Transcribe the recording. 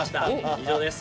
以上です。